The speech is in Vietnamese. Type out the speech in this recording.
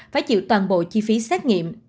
phải chịu toàn bộ chi phí xét nghiệm